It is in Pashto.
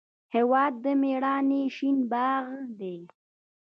هېواد د میړانې شین باغ دی.